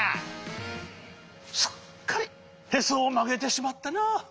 すっかりへそをまげてしまったな。